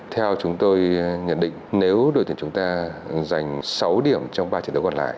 theo chúng tôi nhận định nếu đội tuyển chúng ta giành sáu điểm trong ba trận đấu còn lại